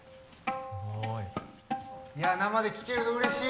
いや生で聴けるのうれしい！